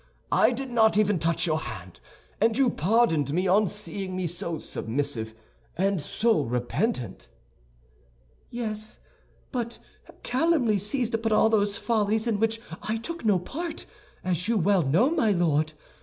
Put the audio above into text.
I did not even touch your hand, and you pardoned me on seeing me so submissive and so repentant." "Yes, but calumny seized upon all those follies in which I took no part, as you well know, my Lord.